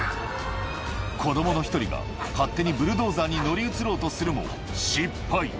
子どもの１人が、勝手にブルドーザーに乗り移ろうとするも失敗。